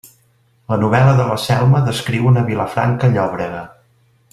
La novel·la de la Selma descriu una Vilafranca llòbrega.